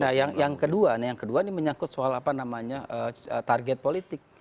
nah yang kedua nah yang kedua ini menyangkut soal apa namanya target politik